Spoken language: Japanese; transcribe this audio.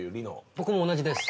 僕も同じです。